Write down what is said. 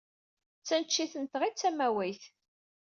D taneččit-nteɣ ay d tamawayt.